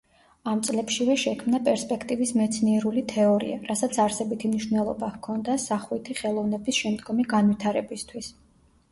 ამ წლებშივე შექმნა პერსპექტივის მეცნიერული თეორია, რასაც არსებითი მნიშვნელობა ჰქონდა სახვითი ხელოვნების შემდგომი განვითარებისთვის.